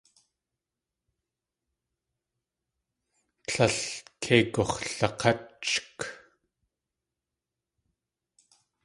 Tlél kei gux̲lak̲áchk.